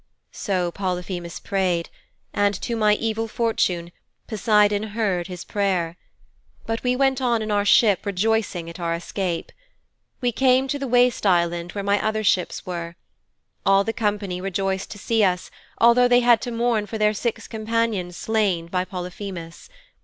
"' 'So Polyphemus prayed, and, to my evil fortune, Poseidon heard his prayer. But we went on in our ship rejoicing at our escape. We came to the waste island where my other ships were. All the company rejoiced to see us, although they had to mourn for their six companions slain by Polyphemus.